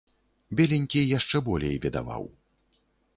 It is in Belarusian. Беленькі яшчэ болей бедаваў.